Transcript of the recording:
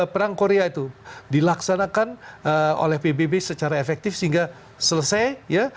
perang korea itu dilaksanakan oleh pbb secara efektif sehingga selesai ya